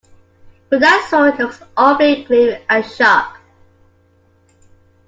But that sword looks awfully gleaming and sharp.